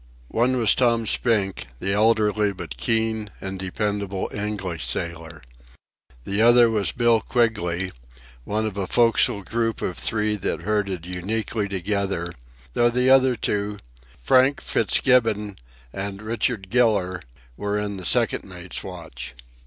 One was Tom Spink, the elderly but keen and dependable English sailor. The other was Bill Quigley, one of a forecastle group of three that herded uniquely together, though the other two, Frank Fitzgibbon and Richard Giller, were in the second mate's watch.